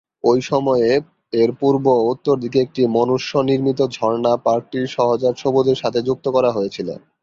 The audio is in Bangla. ঐ সময়ে এর পূর্ব ও উত্তরদিকে একটি মনুষ্য-নির্মিত ঝর্ণা পার্কটির সহজাত সবুজের সাথে যুক্ত করা হয়েছিল।